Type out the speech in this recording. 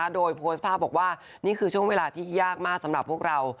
โดยโพสต์ภาพบอกว่านี่คือช่วงเวลาที่ยากมากสำหรับพวกเรา